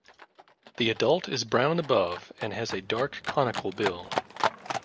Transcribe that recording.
The adult is brown above and has a dark conical bill.